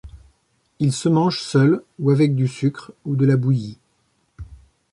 Il se mange seul ou avec du sucre ou de la bouillie.